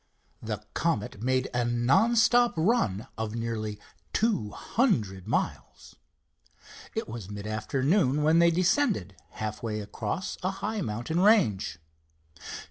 The Comet made a non stop run of nearly two hundred miles. It was mid afternoon when they descended half way across a high mountain range.